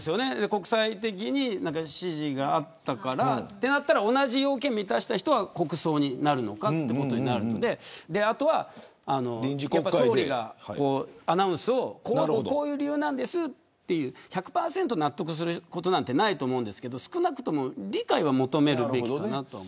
国際的に支持があったからとなったら同じ要件満たした人は国葬になるのかということになるのであとは総理がアナウンスをこういう理由なんですと１００％納得することなんてないと思うんですけれど少なくとも理解は求めるべきかなと。